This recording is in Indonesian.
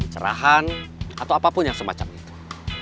cerahan atau apapun yang semacam itu